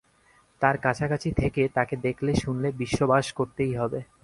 তার কাছাকাছি থেকে তাকে দেখলে-শুনলে বিশ্ববাস করতেই হবে।